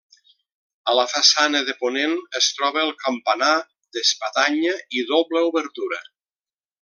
A la façana de ponent es troba el campanar, d'espadanya i doble obertura.